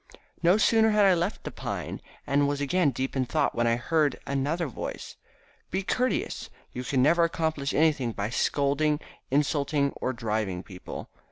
No sooner had I left the pine, and was again deep in thought, when I heard another voice. "Be courteous, you can never accomplish anything by scolding, insulting or driving people.